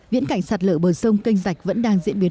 viễn cảnh sạt lở bờ sông canh rạch vẫn đang diễn biến